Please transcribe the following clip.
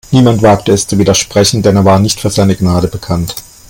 Niemand wagte es zu widersprechen, denn er war nicht für seine Gnade bekannt.